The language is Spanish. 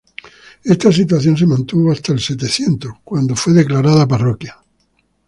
Esta situación se mantuvo hasta el Setecientos, cuando fue declarada parroquia.